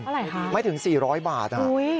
เท่าไหร่ค่ะอุ๊ยไม่ถึง๔๐๐บาท